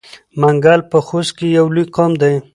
منګل په خوست کې یو لوی قوم دی.